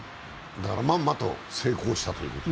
まんまと成功したということで。